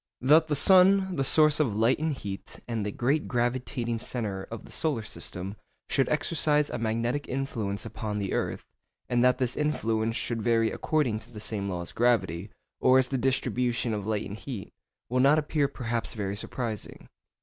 That the sun, the source of light and heat, and the great gravitating centre of the solar system, should exercise a magnetic influence upon the earth, and that this influence should vary according to the same law as gravity, or as the distribution of light and heat, will not appear perhaps very surprising.